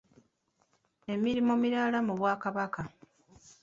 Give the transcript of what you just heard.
Emirimu emirala mu bwakabaka.